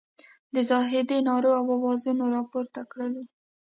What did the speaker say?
د زاهدي نارو او اوازونو راپورته کړلو.